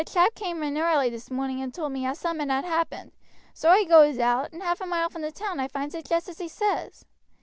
A chap came in early this morning and told me as summat had happened, so I goes out, and half a mile from the town I finds it just as he says."